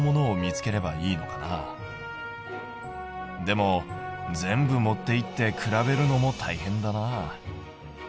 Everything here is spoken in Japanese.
でも全部持っていって比べるのもたいへんだな。